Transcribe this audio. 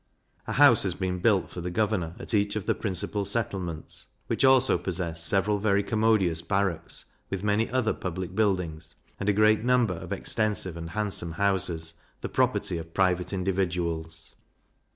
A house has been built for the governor at each of the principal settlements; which also possess several very commodious barracks, with many other public buildings, and a great number of extensive and handsome houses, the property of private individuals.